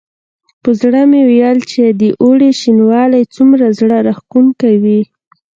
په زړه مې ویل چې د اوړي شینوالی څومره زړه راښکونکی وي.